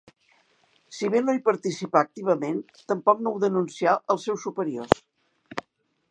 Si bé no hi participà activament, tampoc no ho denuncià als seus superiors.